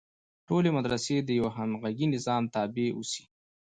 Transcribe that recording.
ټولې مدرسې د یوه همغږي نظام تابع اوسي.